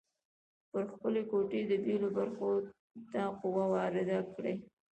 پر خپلې ګوتې د بیلو برخو ته قوه وارده کړئ.